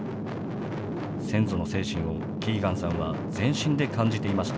先祖の精神をキーガンさんは全身で感じていました。